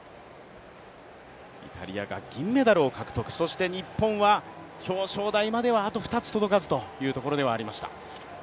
イタリアが銀メダルを獲得、そして日本は表彰台まではあと２つ届かずというところではありました。